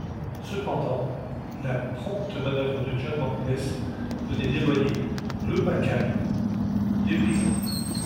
Cependant, la prompte manœuvre de John Mangles venait d’éloigner le Macquarie des brisants.